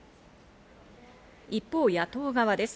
一方、野党側です。